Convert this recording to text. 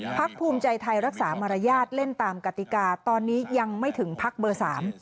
พักภูมิใจไทยรักษามารยาทเล่นตามกติกาตอนนี้ยังไม่ถึงพักเบอร์สาม